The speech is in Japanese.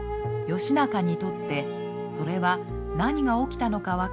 義仲にとってそれは何が起きたのか分からない